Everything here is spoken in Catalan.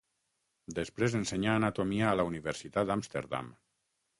Després ensenyà anatomia a la Universitat d'Amsterdam.